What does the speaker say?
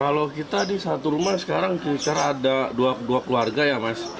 kalau kita di satu rumah sekarang kira kira ada dua keluarga ya mas